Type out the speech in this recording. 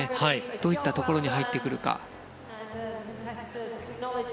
どういったところに入ってくるか。